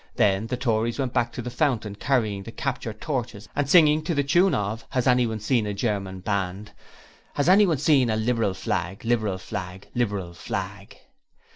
Then the Tories went back to the Fountain carrying the captured torches, and singing to the tune of 'Has anyone seen a German Band?' 'Has anyone seen a Lib'ral Flag, Lib'ral Flag, Lib'ral Flag?'